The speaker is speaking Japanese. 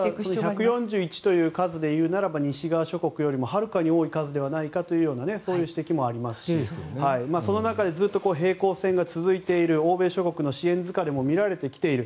１４１という数でいうと西側諸国よりもはるかに多い数ではないかというそういう指摘もあるしその中でずっと平行線が続く欧米諸国の支援疲れも見られてきている。